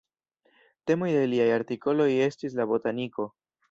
Temoj de liaj artikoloj estis la botaniko.